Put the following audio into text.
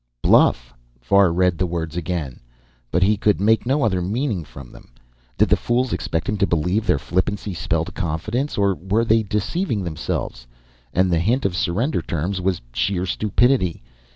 "Bluff!" Var read the words again, but he could make no other meaning from them. Did the fools expect him to believe their flippancy spelled confidence, or were they deceiving themselves? And the hint of surrender terms was sheer stupidity.